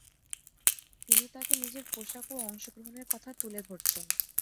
তিনি তাকে নিজের পোশাক ও অংশগ্রহণের কথা তুলে ধরতেন।